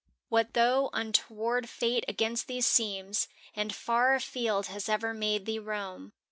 What though untoward Fate against thee seems And far afield has ever made thee roam?